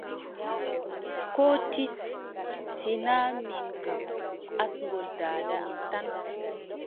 Koo tis, sinaa min kam asngol daada am tan.